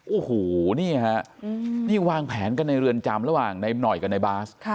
โอ้โหนี่ค่ะนี่วางแผนกันในเรือนจำในส่วนหน่อยกันในบาร์ส